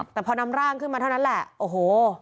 แต่พอนำร่างขึ้นมาเท่านั้นแหละโอ้โห